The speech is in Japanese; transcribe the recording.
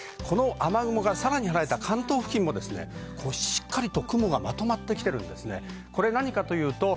雨雲からさらに離れた関東付近も、しっかりと雲がまとまってきています。